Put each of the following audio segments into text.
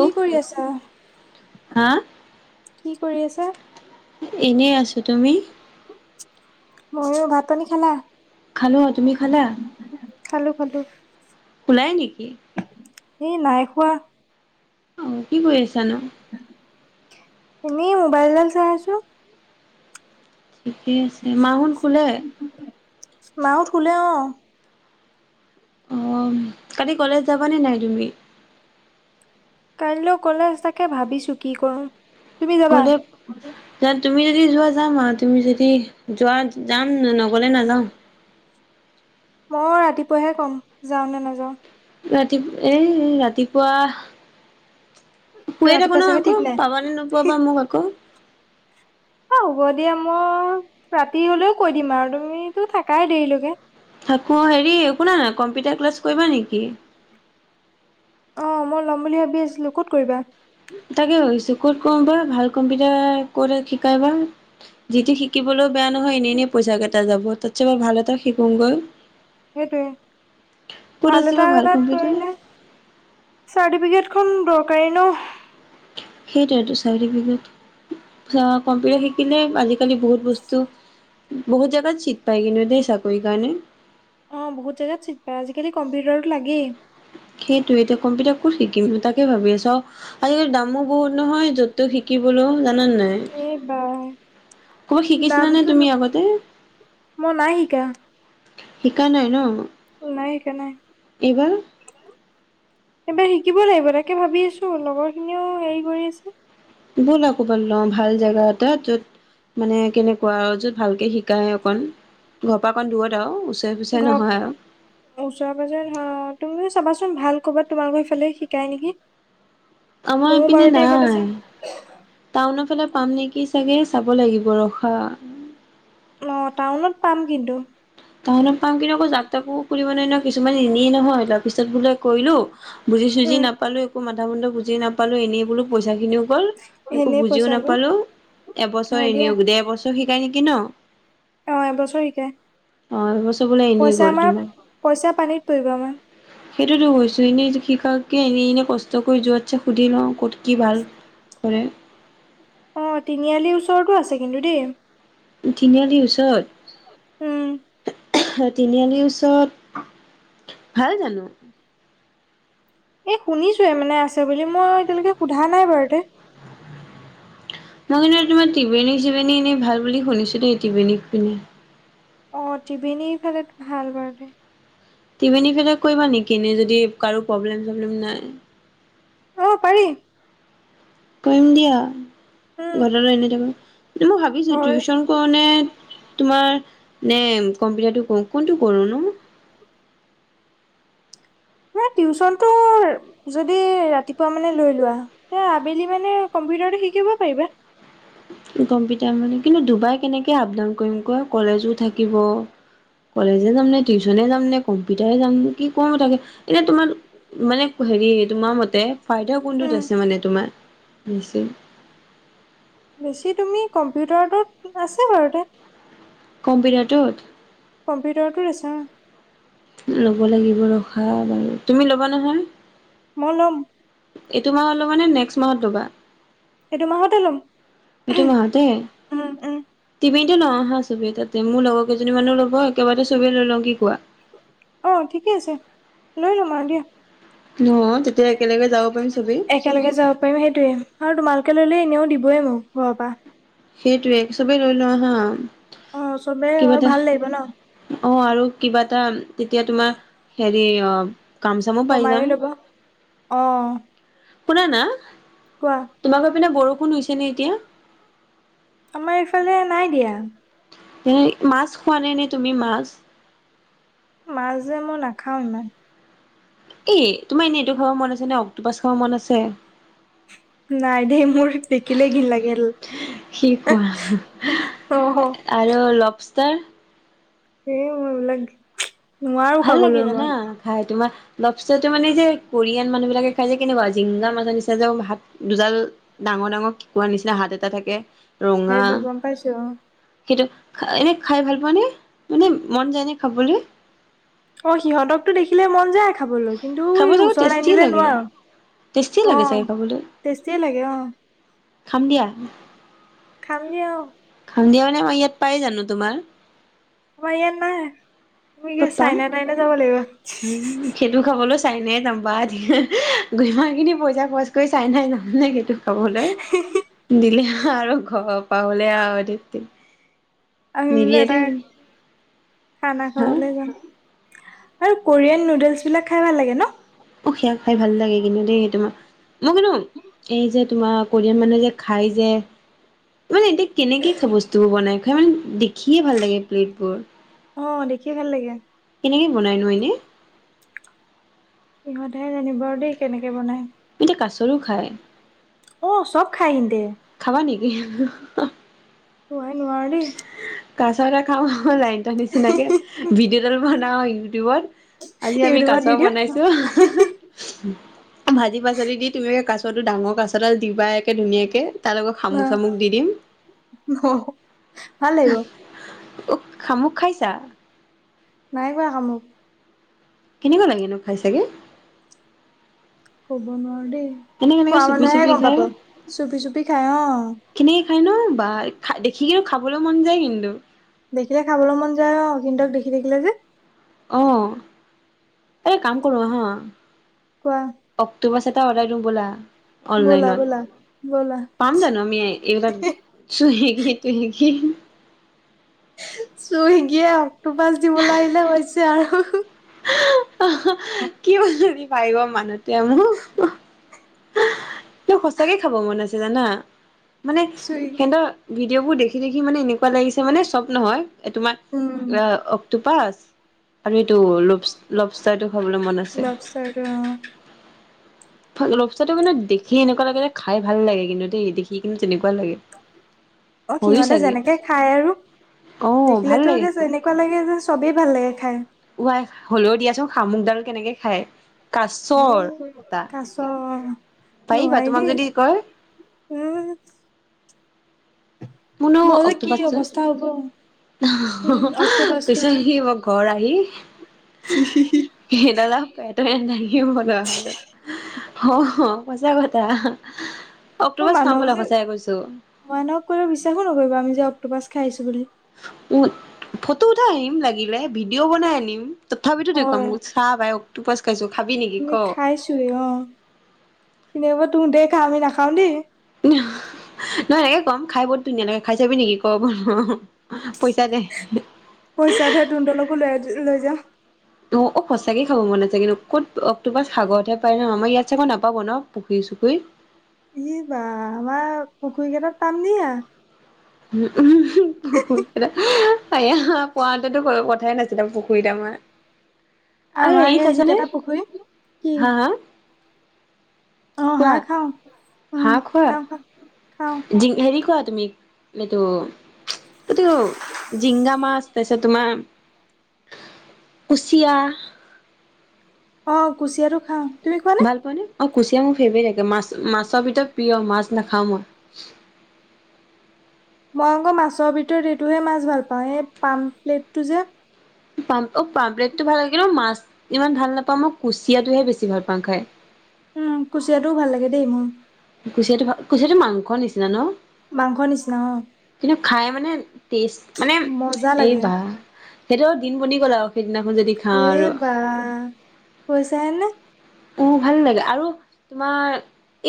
কি কৰি আছা? হা? কি কৰি আছে? এনেই আছোঁ, তুমি? ময়ো ভাত পানী খালা? খালোঁ তুমি খালা খালো খালো। শুলাই নেকি এ নাই খোৱা। অ, কি কৰি আছানো? এনেই মোবাইলডাল চাই আছোঁ। ঠিকে আছে, মাহঁত শুলে? মাহঁত শুলে অ। অঁ, কালি কলেজ যাবানে নাই তুমি? কাইলৈ কলেজ তাকে ভাবিছোঁ কি কৰোঁ। গ'লে তুমি যদি যোৱা যাম আৰু তুমি যদি যোৱা যাম নগ'লে নাযাওঁ। মই ৰাতিপুৱাহে ক'ম, যাওঁ নে নাযাওঁ। ৰাতি, এই এই ৰাতিপুৱা শুয়ে থাকো ৰাতিপুৱা নহয় চাগে আকৌ, ঠিক নাই। পাবানে নোপোৱা বা মোক আকৌ। এ হ'ব দিয়া মই ৰাতি হ'লেও কৈ দিম আৰু তুমিতো থাকাই দেৰি লৈকে। থাকো হেৰী শুনানা কম্পিউটাৰ ক্লাছ কৰিবা নেকি? অ মই ল'ম বুলি ভাবি আছিলোঁ, ক'ত কৰিবা। তাকে ভাবিছোঁ ক'ত কৰোঁ বা ভাল কম্পিউটাৰ ক'ত শিকাই বা। যিটি শিকিবলৈও বেয়া নহয় এনেই এনেই পইচা কেইটা যাব তাতচে মই ভাল এটা শিকোগৈ। সেইটোৱে, ক'ত ভাল আছে বা এটা এটাত কম্পিউটাৰ কৰিলে চাৰ্টিফিকেট খন দৰকাৰী ন'। সেইটোৱেটো চাৰ্টিফিকেট আ কম্পিউটাৰ শিক শিকিলে আজিকালি বহুত বস্তু, বহুত জেগাত চিট পাই কিন্তু দেই চাকৰি কাৰণে। অ বহুত জেগাত চিট পায় আজিকালি কম্পিউটাৰটো লাগেই। সেইটোৱেটো কম্পিউটাৰ ক'ত শিকিম তাকে ভাবি আছোঁ আৰু আজিকালি দামো বহুত নহয় যত তত শিকিবলৈও, জানানে নাই? এ বা ক'বাত শিকিছিলানে তুমি আগতে? মই নাই শিকা। শিকা নাই ন? [unintelligible] নাই, শিকা নাই। এইবাৰ? [inaudible] এইবাৰ শিকিব লাগিব তাকে ভাবি আছোঁ লগৰখিনিও হেৰি কৰি আছে। [unintelligible] ব'লা ক'ৰবাত ল‌ওঁ ভাল জেগা এটাত। য'ত মানে কেনেকুৱা আৰু য'ত [unintelligible] ভালকৈ শিকায় অকণ। ঘৰ পৰা অকণ দূৰত আৰু ওচৰে-পাছৰে নহয় আৰু। [inaudible] ওচৰ-পাজৰে নহয় অঁ। তুমিও চাবা চোন ভাল ক'ৰবাত তোমালোকৰ সেইফালে শিকাই নেকি? [inaudible] আমাৰ ময়ো ইপিনে বাৰুতে এইফালে নাই। চাম [unintelligible] টাউনৰ ফালে পাম নেকি চাগে চাব লাগিব ৰখা। [unintelligible] অঁ! টাউনত পাম কিন্তু। [inaudible] টাউনত পাম কিন্তু আকৌ জাক তাকো সুধিব নোৱাৰি নহয় কিছুমান এনেই নহয়, তাৰ পিছত বোলে কৰিলোঁ [unintelligible] বুজি-চুজি উম নাপালো একো মাথা-মুন্দ বুজি নাপালো এনেই [unintelligible] বোলো প‌ইছাখিনিও গ'ল, একো এনেই বুজিও পইচা গৈ নাপালোঁ, এবছৰ হয় দিয়া এনেই দেবছৰ [unintelligible] [unintelligible] ত' শিকাই নেকি ন? অঁ! এবছৰ শিকাই। [unintelligible] অঁ এবছৰ বোলে এনেই পইচা গ'ল আমাৰ তোমাৰ পইচা পানীত পৰিব আমাৰ [unintelligible] সেইটোৱেটো কৈছোঁ। এনেই শিকাকে এনেই-এনেই কষ্ট কৰি যোৱাতছে সুধি লওঁ, ক'ত [unintelligible] কি ভাল, কৰে। [unintelligible] অঁ! তিনিআলিৰ ওচৰতো আছে কিন্তু দেই। [unintelligible] তিনিআলি ওচৰত? [inaudible] উম। [inaudible] [unintelligible] তিনিআলিৰ ওচৰত ভাল জানো? এই শুনিছোঁহে মানে আছে বুলি, মই এতিয়ালৈকে সোধা নাই বাৰু তে [unintelligible] মই কিন্তু তোমাৰ টিবেনী-চিবেনী এনেই ভাল বুলি শুনিছোঁ দেই এই টিবেনীখিনি। [unintelligible] অঁ! টিবেনী ফালে ভাল বাৰু দে। [unintelligible] টিবেনী ফালে কৰিবা নেকি এনেই যদি কাৰোঁ প্ৰবলেম-চবলেম নাই? [unintelligible] অঁ! পাৰি। [inaudible] কৰিম দিয়া। উম ঘৰতেটো এনেই থাকোঁ। মই ভাবিছোঁ ঘৰ টিউচন তোমাৰ [unintelligible] নে তোমাৰ নে কম্পিউটাৰটো কৰোঁ কোনটো কৰোঁ নো? [unintelligible] মানে টিউচনটো যদি ৰাতিপুৱা মানে লৈ লোৱা [unintelligible] তে আবেলি মানে কম্পিউটাৰটো শিকিব পাৰিবা। [unintelligible] কম্পিউটাৰ মানে কিন্তু দুবাৰ কেনেকে আপ-ডাউন কৰিম ক? কলেজো থাকিব? [unintelligible] কলেজে যাম নে, টিউচনে যাম নে, কম্পিউটাৰে যাম কি কম তাকে এতিয়া তোমাৰ [unintelligible] মানে হেৰি তোমাৰ মতে ফাইদা কোনটোত উম আছে মানে তোমাৰ বেছি? [unintelligible] বেছি তুমি কম্পিউটাৰতোত আছে বাৰুতে [unintelligible] কম্পিউটাৰটোত? [unintelligible] কম্পিউটাৰটোত আছে অঁ! [unintelligible] ল'ব লাগিব ৰখা বাৰু। তুমি ল'বা নহয়? [unintelligible] ম‌ই লম। [inaudible] এইটো মাহত ল'বা নে নেক্সট মাহত ল'বা? [inaudible] এইটো মাহতে ল'ম এইটো মাহতে [unintelligible] উম উম টিবেনীতে লওঁ আহা চবে তাতে মোৰ লগৰ কেইজনী মানো ল'ব, একেবাৰতে চবে লৈ লওঁ কি কোৱা? [unintelligible] অঁ! ঠিকে আছে, লৈ ল'ম আৰু দিয়া। [unintelligible] ন তেতিয়া একেলগে যাব পাৰিম চবেই? [unintelligible] একেলগে যাব পাৰিম সেইটোৱেই আৰু তোমালোকে ললে এনেও দিবই মোক ঘৰৰ পৰা। [unintelligible] সেইটোৱেই চবেই লৈ লোৱা আহা? [unintelligible] অ', চবে হয় ভাল লাগিব ন। অ', আৰু কিবা এটা তেতিয়া তোমাৰ হেৰি অ'। কাম চামো পাই কমাইও যাম ল'ব, অ'। শুনা না। কোৱা। তোমালোকৰ পিনে বৰষুণ হৈছে নে এতিয়া? আমাৰ এইফালে নাই দিয়া। এ মাছ খোৱা নাই নে তুমি মাছ। মাছ যে মই নাখাঁও ইমান। এ, তোমাৰ এনেই এইটো খাব মন আছে নে অকটোপাছ খাব মন আছে। নাই দেই মোৰ দেখিলে ঘিন লাগে। সি খোৱা অ'। আৰু লপষ্টাৰ? সেই মোৰ এই বিলাক ভাল লাগে জানা খাই তোমাৰ লপষ্টাৰটো মানে যে কোৰিয়ান মানুহ বিলাকে খাই যে কেনেকুৱা জিংগা মাছৰ নিচা যে হাত দুডাল ডাঙৰ ডাঙৰ কেকোৰা নিচিনা হাত এটা থাকে, ৰঙা সেইটো গম পাইছো অ সেইটো, এনেই খাই ভাল পোৱা নে, মানে মন যায়নে খাবলৈ? অ' সিহঁতকতো দেখিলে মন যায় খাবলৈ, কিন্তু খাব এই চাগে ওচৰত আন টেষ্টি দিলে লাগে নোৱাৰো। টেষ্টি লাগে অ' চাগে খাবলৈ টেষ্টিয়ে লাগে, অ'। খাম দিয়া। খাম দিয়া অ'। খাম দিয়া, মানে আমাৰ ইয়াত পায় জানো তোমাৰ। আমাৰ ইয়াত নাই, তুমি চাইনা তাইনা যাব লাগিব। উম, সেইটো খাবলৈ চাইনাই যাম বা, যিমানখিনি পইচা খৰচ কৰি চাইনাই যাম নেকি। খাবলৈ, দিলে আৰু ঘৰৰ পাবলৈ আৰু। আমি বোলে নিদিয়ে দেই এটাই, খানা হা খাবলৈ যাম। আৰু কোৰিয়ান নুডলছ বিলাক খাই ভাল লাগে ন। অ', সেয়া খাই ভাল লাগে কিন্তু দেই তোমাৰ। মই কিন্ত, এই যে তোমাৰ কোৰিয়ান মানুহে যে খাই যে মানে এতিয়া কেনেকে খাই বস্তু বনাই খাই মানে দে খিয়ে ভাল লাগে প্লেটবোৰ, অ দেখি ভাল লাগে কেনেকে বনাই নো এনে। সিহঁতেহে জানিব আৰু দেই কেনেকে বনাই। এতিয়া কাছৰো খায় অ' চব খাই সিহঁতে। খাবা নেকি? অ', আই নোৱাৰি দেই। কাছ এটা খাওঁ লাইন নিচিনাকে ভিডিঅ'ডাল বনাওঁ ইউটিউবত। আজি আমি ইউটিউবত কাছ দি দিওঁ বনাইছো। ভাজি পাচালি দি তুমি কাছটো ডাঙৰ কাছডাল দিবা একে ধুনীয়াকে। তাৰ লগত শামুক চামুক দি দিম। অ', ভাল লাগিব। উখ, শামুক খাইছা? নাই খোৱা শামুক। কেনেকুৱা লাগেনো, খাই চাগে। কব নোৱাৰো দেই এনেকে এনেকে খোৱা চুপি মানুহেহে চুপি গম পাব চুপি চুপি খাই অ। খিনে খায় ন বা খা দেখিলেও খাবলৈ মন যায় কিন্তু। দেখিলে খাবলৈ মন যায় অ কিন্তক দেখি থাকিলে যে। অ এ কাম কৰো আহা। কোৱা। অক্টোবাছ এটা অৰ্ডাৰ দিও বলা। ব'লা ব'লা ব'লা অনলাইনত পাম জানো আমি এইবিলাক। চুহেগ তুহেগি। চইগীয়ে অক্টো পাছ দিবলৈ আহিলে হৈছে আৰু। কি পাৰিব মানুহতে মোক। ত সঁচাকে খাব মন আছে জানা মানে চুই সিহতৰ। ভিডিঅ' বোৰ দেখি দেখি মানে এনেকুৱা লাগিছে মানে চব নহয় এ তোমাৰ উম [inaudible] অ টোপাচ আৰু এইটো লোপছ। লপ চাইতো খাবলৈ মন আছে। লবষ্টাৰটো অ [inaudible] লপচাটো কিন্তু দেখি এনেকুৱা লাগে যে খাই ভাল লাগে কিন্তু দেই দেখি কিন্তু তেনেকুৱা লাগে। অ হয়ো সিহঁতে চাগে যেনেকে খাই আৰু অ ভাল দেখিলেতো লাগে গছ এনে। কুৱা লাগে যে ছবেই ভাল লাগে খাই। ৱাই হলেও দিয়া চোন শামুকডাল কেনেকে খাই। [inaudible] কাছ পাৰিবা নহাই তোমাক দেই যদি কয় উম। কোনো মোৰ কি অক্টোপাছ যে। অৱস্থা হ'ব উম [inaudible] অক্টোপাছটো পিছত সি ব ঘৰ আহি। [unintelligible] [inaudible] অ সচা কথা। অ অক্টোপাছ খাম মানুহক ব'লা যে সঁচাই কৈছো। মানুহক ক বিশ্বাস নকৰিব আমি যে অক্টোপাচ খাইছো বুলি। উ ফটো উঠাই আহিম লাগিলে ভিডিঅ' বনাই আনিম। তথাপিতো দেখুৱাম হয় চা ভাই অক্টোপাছ খাইছো। খাবি নেকি ক? আমি খাইছোৱে অ খিনিব তু দে কাহ আমি নাখাও দেই। [inaudible] নহয় হে কম খাই বহুত ধুনীয়া লাগে খাই চাবি নেকি ক অ পইচা দে। পইচা দে তহতলৈকো লৈ লৈ যাম। অ অ সঁচাকে খাব মন আছে কিন্তু ক'ত অক্টোপাছ সাগৰতহে পায় ন আমাৰ ইয়াত চাগৈ নাপাব ন পুখুৰী চুখুৰী। ই বা আমাৰ পুখুৰী কেইটাত পাম দিয়া। উম উম [inaudible] [inaudible] পোৱা হেতেন কোনো কথাই নাছিলা পুখুৰীত আমাৰ। আ আমাৰ হেৰি এই খাইছা নে যিকেইটা পুখুৰী কি হা হা। অ কোৱা হাঁহ খাওঁ উম হাঁহ খোৱা খাওঁ খাওঁ খাওঁ যিং হেৰি খোৱা তুমি। এইটো এইটো জিংগা মাছ তাপিছত তোমাৰ। কুচিয়া। অ কুচিয়াটো খাওঁ তুমি খোৱা। ভাল পোৱা নে অ কুচিয়া মোৰ ফেভাৰেট থে মাছ মাছৰ ভিতৰত প্ৰিয় মাছ নাখাও মই। মই আকৌ মাছৰ ভিতৰত এইটোহে মাছ ভাল পাওঁ এই পাম প্লেটটো যে। পাম অ পাম্পলেটো ভাল লাগিলে মাছ ইমান ভাল নাপাওঁ মই কুচিয়াটোহে বেছি ভাল পাওঁ খাই। উম কুচিয়াটো ভাল লাগে দেই মোৰ। কুচিয়াটো কুচিয়াটো মাংসৰ নিচিনা ন। মাংস নিচিনা অ। কিন্তু খাই মানে টেষ্ট মানে মজা এই লাগে বা সেইটো দিন বনি গ'ল আৰু সেইদিনাখন যদি খাওঁ আৰু খইচাই নে অ ভাল লাগে আৰু তোমাৰ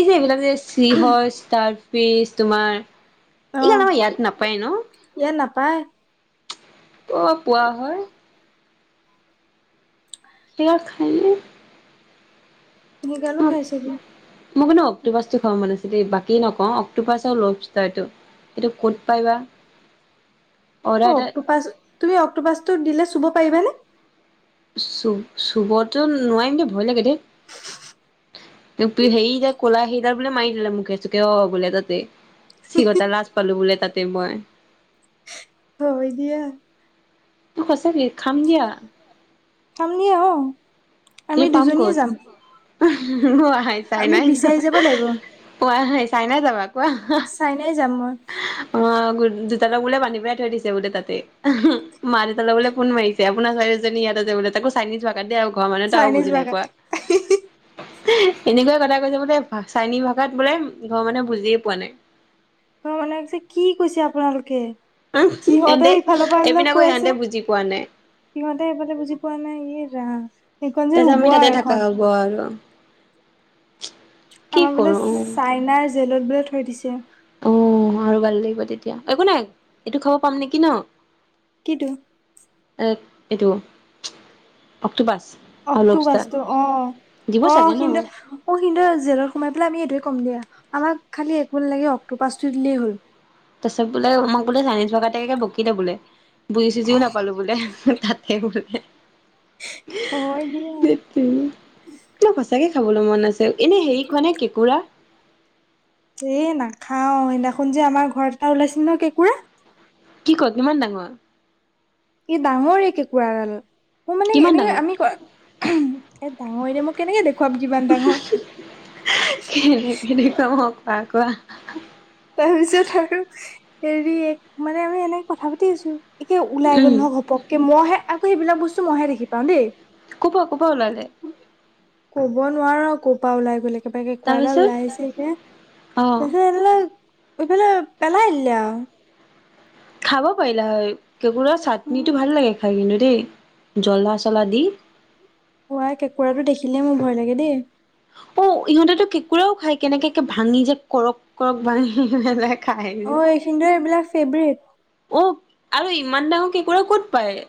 এই যে এইবিলাক যে চি হয় ষ্টাৰফিছ তোমাৰ অ এই বিলাক আমাৰ ইয়াত নাপায় ন ইয়াত নাপায় ক'ত পোৱা হয়? সেইবিলাক খাইনে সেইগালো খাই চাগে মই কিন্তু অক্টোপাছ টো খাব মানে দেই বাকী নকওঁ অক্টোপাছ আও লভ ষ্টাৰটো এইটো ক'ত পাই বা অ অৰ্ডাৰ এটা অক্টোপাছ তুমি অক্টোপাচটো দিলে চুব পাৰিবানে চুব চুবতো নোৱাৰিম দে ভয় লাগে দে ইপি সেইযে ক'লা সেইডাল বোলে মাৰি দিলে মুখে চুকে অ বোলে তাতে চিকটা লাজ পালো বোলে তাতে মই হয় দিয়া মই সঁচাকে খাম দিয়া খাম দিয়া অ ই আমি পাম দুজনীয়ে ক'ত যাম আমি বিচাৰি যাব লাগিব [unintelligible] কোৱা হাই ছাইনা যাবা কোৱা চাইনাই যাম মই অ দুতালক বোলে বান্ধি পেলায় থৈ দিছে বোলে তাতে মা দেউতালে বোলে ফোন মাৰি আপোনাৰ ছোৱালীজনী ইয়াত আছে বোলে তাকো চাইনিজ ভাষাত দেই আও ঘৰ মানুহ তো আও চাইনিজ বুজি নাই বাগা পোৱা এনেকুৱাই কথা কৈছে বোলে চাইনী ভাষাত বোলে ঘৰৰ মানুহে বুজিয়ে পোৱা নাই ঘৰৰ মানুহে যে কি কৈছে আপোনালোকে সিহতে এন্তে ইফালৰ পৰা এইবিলাক এইপিনে আকৌ কৈ ইহঁতে আছে বুজি পোৱা নাই সিহঁতে এফালে বুজি পোৱা নাই এই ৰাম সেইখন যে তাৰপিছত আমি হুব তাতে আৰু এখন [unintelligible] কি আমাৰ বোলে কৰো অ চাইনাৰ জেলত বোলে থৈ দিছে অ আৰু ভাল লাগিব তেতিয়া একো নাই এইটো খাব পাম নেকি ন কিটো এ এইটো অক্টোপাছ আৰু অক্টোপাছ লবষ্টাৰ টো অ দিব অ চাগে ন কিন্তু অ সিনদেও জেলত সোমাই পেলাই আমি এইটোৱে কম দিয়া আমাক খালি একো নালাগে অক্টোপাছ টো দিলেই হ'ল তাৰপাছত বোলে আমাক বোলে চাইনিজ ভাষাতে বকিলে বোলে বুজি চুজিও নাপালো বোলে তাতে বোলে হয় দিয়া ধেইত উম ন সঁচাকে খাবলৈ মন আছে অ এনে হেৰি খোৱানে কেঁকোৰা এ নাখাও সেইদিনাখন যে আমাৰ ঘৰত এটা ওলাইছিল ন কেঁকুৰা কি ক'ত কিমান ডাঙৰ কি ডাঙৰে কেঁকুৰাডাল মোৰ মানে কিমান এনেকে ডাঙৰ আমি ক ডাঙৰে এতিয়া মোক কেনেকে দেখুৱাম যিামান ডাঙৰ কেনে কেনেকুৱা দেখোৱাম অ কোৱা কোৱা তাৰপিছত আৰু হেৰি মানে আমি এনেই কথা পাতি আছো একে ওলাই উম গ'ল নহয় ঘপকে মইহে আকৌ সেইবিলাক বস্তু মইহে দেখি পাওঁ দেই কপা কপা ওলালে ক'ব নোৱাৰো কৰ পৰা ওলাই গ'লে [unintelligible] কোৱাডাল তাৰপিছত ওলাই আহিছে এতিয়া অ তাৰপিছত এই বিলাক ইফালে পেলাই দিলে আউ। খাব পাৰিলা হৈ, কেঁকুৰা চাটনিটো ভাল লাগে খাই কিন্তু দেই জ্বলা চলা দি। অ আই কেঁকুৰাটো দেখিলেই মোৰ ভয় লাগে দেই। অ ইহঁতেটো কেঁকুৰাও খাই, কেনেকে ভাঙি যে কৰক কৰক ভাঙিমেলাই অ এইখিনিতে এইবিলাক ফেভৰেট। অ আৰু ইমান ডাঙৰ কেকুৰা ক'ত পায়?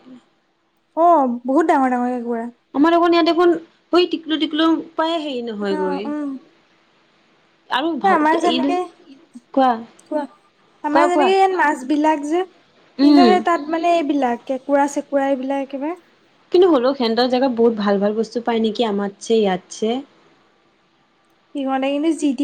অ বহুত ডাঙৰ ডাঙৰ কেঁকোৰা। আমাৰ অকন ইয়াত দেখোন সৈ টিকলু টিকলু প্ৰায়ে হেৰি অ নহয়গৈ। উম আৰু ভাল আমাৰ যেনেকে কোৱা কোৱা আমাৰ কোৱা যেনেকে ইয়াত মাছ বিলাক যে, কিন্ত উম সেই তাত মানে এইবিলাক কেঁকোৰা-চেকুৰা এইবিলাক একেবাৰে কিন্তু হ'লেও সেডৰ জেগা বহুত ভাল ভাল বস্তু পায় নেকি আাৰ ইয়াত আছে? সিহঁতে কিন্তু যি তি